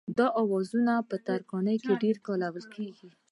دا اوزارونه په ترکاڼۍ کې ډېر کارول کېږي.